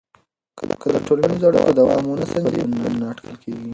که د ټولنیزو اړیکو دوام ونه سنجوې، بدلون نه اټکل کېږي.